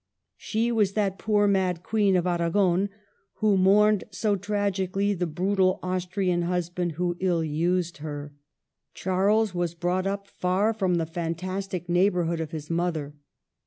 She was that poor mad Queen of Arragon who mourned so tragically the brutal Austrian husband who ill used her. Charles was brought up far from the fantastic neighborhood of his mother.